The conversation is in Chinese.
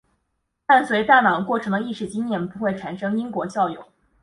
伴随大脑过程的意识经验不会产生因果效用。